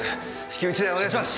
至急１台お願いします！